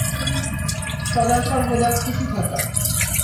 সদা-সর্বদা খুশি থাকা।